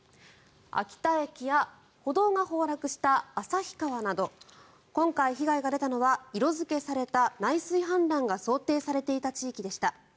秋田駅や歩道が崩落した旭川など今回被害が出たのは色付けされた内水氾濫が想定されていた地域でした。